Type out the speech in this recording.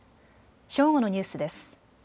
正午のニュースです。